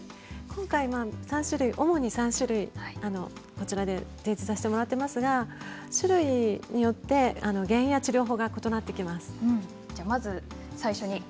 今回、主に３種類こちらで提示させてもらっていますが種類によって原因や治療法が異なってきます。